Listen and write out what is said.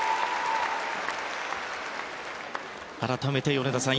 改めて米田さん